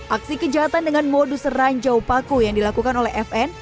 aksi kejahatan dengan modus ranjau paku yang dilakukan oleh fn